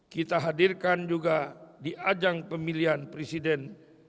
kita hadirkan juga di ajang pemilihan presiden dua ribu sembilan belas